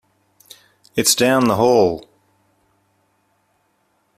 It's down the hall.